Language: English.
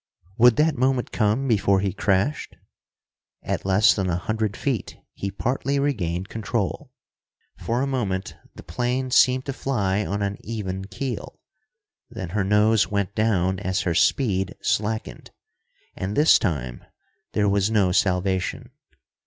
Would that moment come before he crashed? At less than a hundred feet he partly regained control. For a moment the plane seemed to fly on an even keel. Then her nose went down as her speed slackened. And this time there was no salvation.